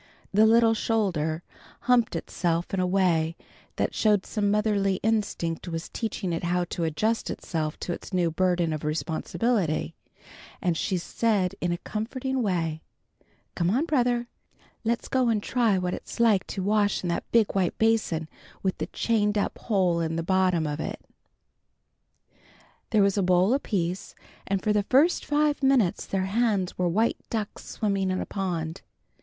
The little shoulder humped itself in a way that showed some motherly instinct was teaching it how to adjust itself to its new burden of responsibility, and she said in a comforting way, "Come on, brother, let's go and try what it's like to wash in that big white basin with the chained up hole in the bottom of it." [Illustration: He pushed aside the red plush curtain and looked in] There was a bowl apiece, and for the first five minutes their hands were white ducks swimming in a pond.